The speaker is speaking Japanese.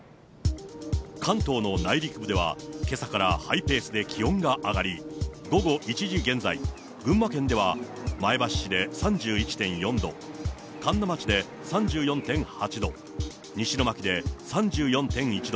関東の内陸部では、けさからハイペースで気温が上がり、午後１時現在、群馬県では前橋市で３１．４度、神流町で３４．８度、西野牧で３４．１度。